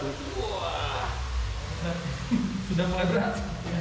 wah sudah mulai berat